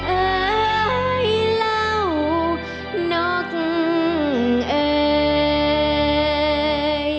เอ่ยเหล้านกเอ่ย